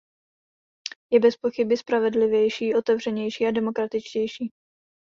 Je bezpochyby spravedlivější, otevřenější a demokratičtější.